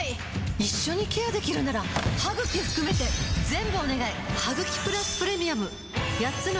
一緒にケアできるなら歯ぐき含めてタンターン！